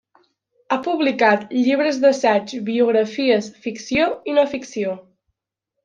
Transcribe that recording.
Ha publicat llibres d'assaig, biografies, ficció i no ficció.